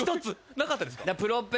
なかったですか？